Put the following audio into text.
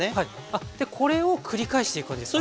あっこれを繰り返していく感じですか？